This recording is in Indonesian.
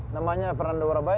namanya fernando warabai